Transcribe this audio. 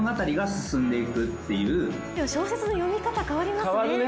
小説の読み方変わりますね。